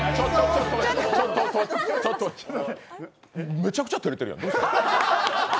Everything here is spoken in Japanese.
めちゃくちゃ照れてるやん。